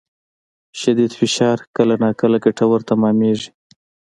شدید فشار کله ناکله ګټور تمامېږي.